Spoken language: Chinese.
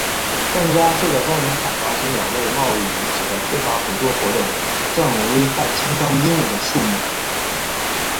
正加速的森林砍伐及鸟类贸易引起的非法捕捉活动正危害金刚鹦鹉的数目。